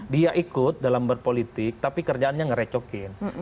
dia ikut dalam berpolitik tapi kerjaannya ngerecokin